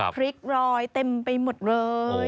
พริกรอยเต็มไปหมดเลย